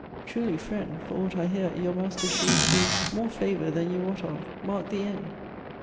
"Truly, Friend, "For aught I hear, your Master shews to you "More favour than you wot of. Mark the end.